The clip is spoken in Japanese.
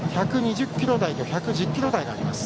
１２０キロ台と１１０キロ台があります。